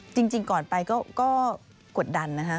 จริงก่อนไปก็กดดันนะคะ